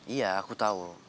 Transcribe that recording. iya aku tahu